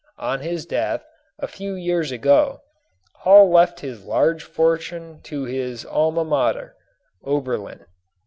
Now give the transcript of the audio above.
On his death, a few years ago, Hall left his large fortune to his Alma Mater, Oberlin.